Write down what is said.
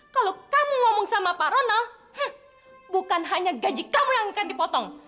kalau kamu ngomong sama pak ronald bukan hanya gaji kamu yang akan dipotong